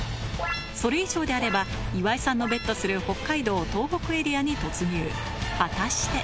それ以上であれば岩井さんのＢＥＴする北海道・東北エリアに突入果たして？